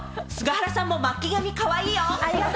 菅原さんも巻き髪かわいいよ。